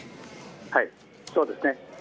はい、そうですね。